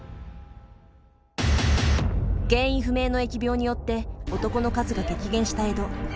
原因不明の疫病によって男の数が激減した江戸。